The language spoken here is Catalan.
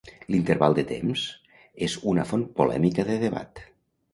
L'interval de temps es una font polèmica de debat.